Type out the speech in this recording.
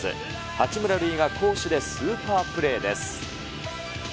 八村塁が攻守でスーパープレーです。